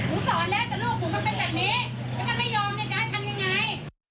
สอนแล้วแต่ลูกหนูมันเป็นแบบนี้แล้วมันไม่ยอมเนี่ยจะให้ทำยังไง